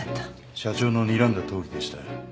社長のにらんだとおりでしたよ。